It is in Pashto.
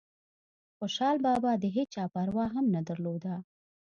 خوشحال بابا دهيچا پروا هم نه درلوده